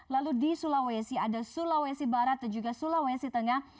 lalu di sulawesi ada sulawesi barat dan juga sulawesi tengah